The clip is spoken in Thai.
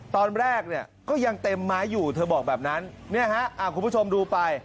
ตอนแรกเนี่ยก็ยังเต็มไม้อยู่เธอบอกแบบนั้นเนี่ยฮะคุณผู้ชมดูไป